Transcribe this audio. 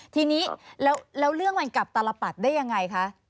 ทีนี้แล้วเรื่องมันกลับตลปัดได้ยังไงคะ